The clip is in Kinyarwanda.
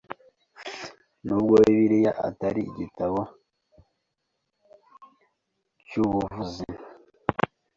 Nubwo Bibiliya atari igitabo cy’ubuvuzi,